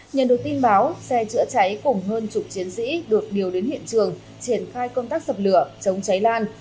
nhận được tin báo xe chữa cháy cùng hơn chục chiến sĩ được điều đến hiện trường triển khai công tác dập lửa chống cháy lan